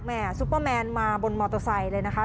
ซุปเปอร์แมนมาบนมอเตอร์ไซค์เลยนะคะ